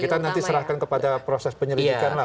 kita nanti serahkan kepada proses penyelidikan lah